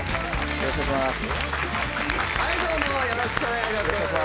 よろしくお願いします。